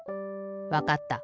わかった。